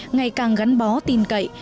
ngày càng gắn bó tin cậy